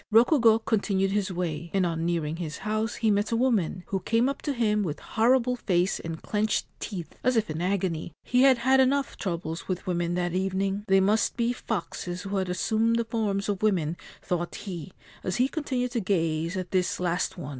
Rokugo continued his way, and on nearing his house he met a woman, who came up to him with horrible face and clenched teeth, as if in agony. He had had enough troubles with women that evening. They must be foxes who had assumed the forms of women, thought he, as he continued to gaze at this last one.